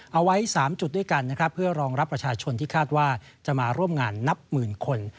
เอาไว้๓จุดด้วยกันนะครับเพื่อรองรับประชาชนที่คาดว่าจะมาร่วมงานนับหมื่นคน